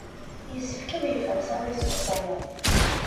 Yessefk ad yeffeɣ Sami seg uxxam-a.